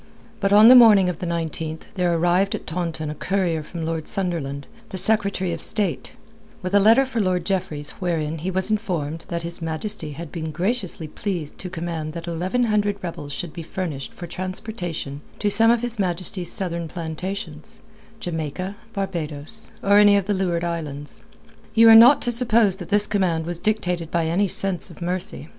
But on the morning of the 19th there arrived at Taunton a courier from Lord Sunderland, the Secretary of State, with a letter for Lord Jeffreys wherein he was informed that His Majesty had been graciously pleased to command that eleven hundred rebels should be furnished for transportation to some of His Majesty's southern plantations, Jamaica, Barbados, or any of the Leeward Islands. You are not to suppose that this command was dictated by any sense of mercy.